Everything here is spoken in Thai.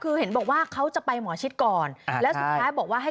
คือเห็นบอกว่าเขาจะไปหมอชิดก่อนแล้วสุดท้ายบอกว่าให้